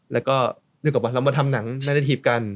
แล้วก็นึกออกว่าเรามาทำหนังเล่นทีฟกัน